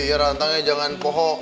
eh ya rantangnya jangan poho